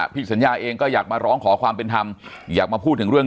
พี่สัญญาเองก็อยากมาร้องขอความเป็นธรรมอยากมาพูดถึงเรื่อง